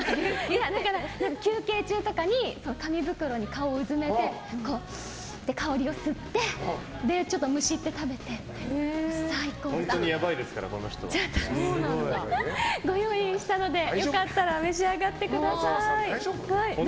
休憩中とかに紙袋に顔をうずめてすーって香りを吸ってむしって食べて本当にやばいですから、この人。ご用意したので良かったら召し上がってください。